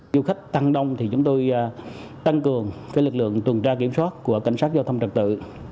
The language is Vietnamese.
du khách tăng đông thì chúng tôi tăng cường lực lượng tuần tra kiểm soát của cảnh sát giao thông trật tự